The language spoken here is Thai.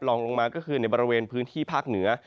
ลองลงมาก็คือในบริเวณพื้นที่ภาคเหนือ